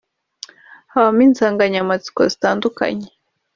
habamo insanganyamatsiko zitandukanye